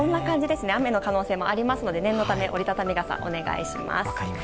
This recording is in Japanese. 雨の可能性もありますので念のため折り畳み傘、お願いします。